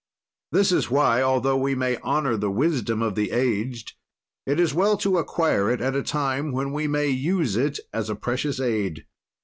"This is why, altho we may honor the wisdom of the aged, it is well to acquire it at a time when we may use it as a precious aid.